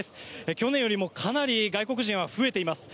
去年よりもかなり外国人は増えています。